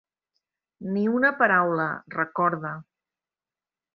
Ni una paraula, recorda!